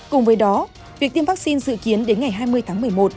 cùng với đó việc tiêm vaccine dự kiến đến ngày hai mươi tháng một mươi một